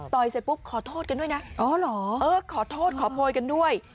ต่อยเสร็จปุ๊บขอโทษกันด้วยนะขอโทษขอโพยกันด้วย